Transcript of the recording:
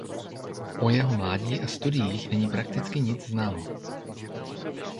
O jeho mládí a studiích není prakticky nic známo.